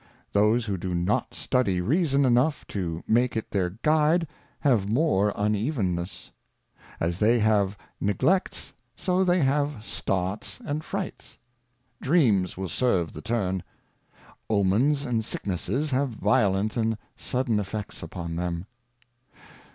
Those 190 A Character of Those who do not study Reason enough to make it their Guide, have more Unevenness : As they have Neglects, so they have Starts and Frights ; Dreams will serve the turn ; Omens and Sicknesses have violent and sudden Effects upon them.